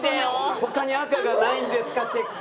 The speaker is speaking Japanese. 他に赤がないんですかチェック。